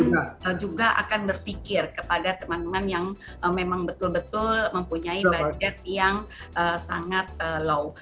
kita juga akan berpikir kepada teman teman yang memang betul betul mempunyai budget yang sangat low